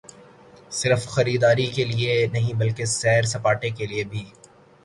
صرف خریداری کیلئے نہیں بلکہ سیر سپاٹے کیلئے بھی۔